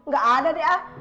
gak ada deh ah